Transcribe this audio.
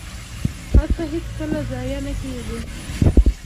هڅه هیڅکله ضایع نه کیږي